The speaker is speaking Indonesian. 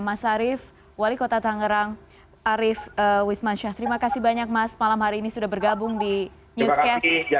mas arief wali kota tangerang arief wismansyah terima kasih banyak mas malam hari ini sudah bergabung di newscast